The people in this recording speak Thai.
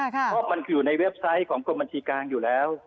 เพราะมันคืออยู่ในเว็บไซต์ของกรมบัญชีกลางอยู่แล้ว